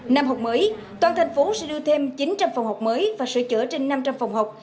năm học mới toàn thành phố sẽ đưa thêm chín trăm linh phòng học mới và sửa chữa trên năm trăm linh phòng học